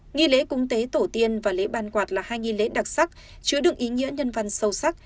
nghi lễ cúng tế tổ tiên và lễ ban quạt là hai nghi lễ đặc sắc chứa được ý nghĩa nhân văn sâu sắc